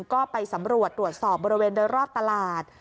ก็ไปสำรวจตรวจสอบบริเวณโดยรอบตลาด